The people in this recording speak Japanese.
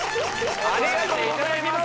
ありがとうございます